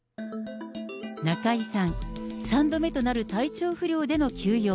中居さん、３度目となる体調不良での休養。